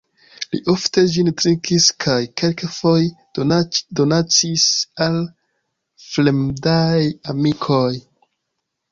Li ofte ĝin trinkis kaj kelkfoje donacis al fremdaj amikoj.